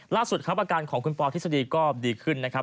ล่าสุดครับอาการของคุณปอทฤษฎีก็ดีขึ้นนะครับ